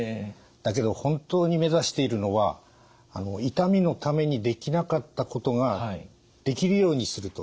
だけど本当にめざしているのは「痛みのためにできなかったこと」が「できるようになること」だと思うんです。